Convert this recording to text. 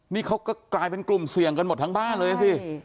นี่เขาก็กลายเป็นกลุ่มเสี่ยงกันหมดทั้งบ้านเลยสิ